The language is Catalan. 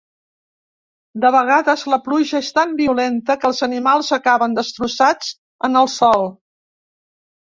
De vegades, la pluja és tan violenta, que els animals acaben destrossats en el sòl.